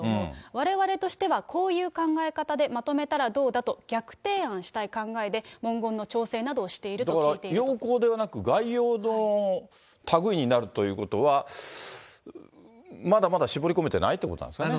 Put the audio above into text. われわれとしてはこういう考え方でまとめたらどうだと逆提案したい考えで、文言の調整などをしてだから要綱ではなく、概要のたぐいになるということは、まだまだ絞り込めてないってことなんですかね。